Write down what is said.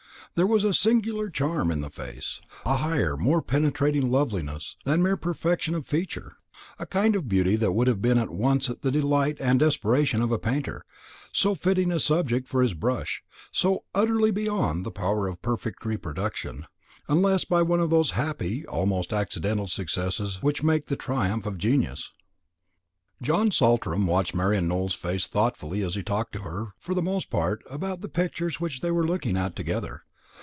There was a singular charm in the face; a higher, more penetrating loveliness than mere perfection of feature; a kind of beauty that would have been at once the delight and desperation of a painter so fitting a subject for his brush, so utterly beyond the power of perfect reproduction, unless by one of those happy, almost accidental successes which make the triumphs of genius. John Saltram watched Marian Nowell's face thoughtfully as he talked to her, for the most part, about the pictures which they were looking at together.